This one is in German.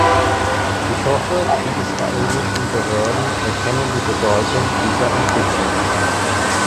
Ich hoffe, die israelischen Behörden erkennen die Bedeutung dieser Entwicklung.